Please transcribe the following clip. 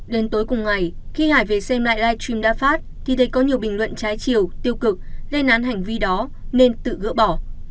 đến tối cùng ngày khi hải về xem lại live stream đa phát thì thấy có nhiều bình luận trái chiều tiêu cực lên án hành vi đó nên tự gỡ bỏ